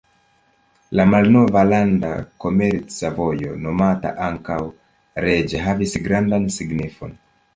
La malnova landa komerca vojo, nomata ankaŭ "reĝa", havis grandan signifon.